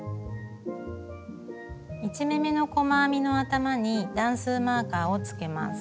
１目めの細編みの頭に段数マーカーをつけます。